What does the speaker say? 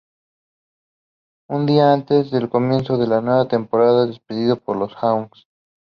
Un día antes del comienzo de la nueva temporada es despedido por los Hawks.